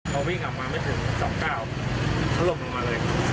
มันขนมไปมาไม่ถึง๒๙เขาลบนึงมาเลย